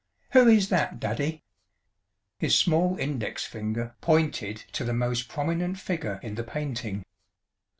"Who is that, Daddy?" His small index finger pointed to the most prominent figure in the painting.